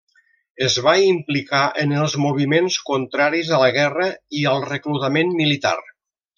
Es va implicar en els moviments contraris a la guerra i al reclutament militar.